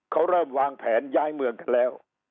เขาเริ่มวางแผนย้ายเมืองกันแล้ว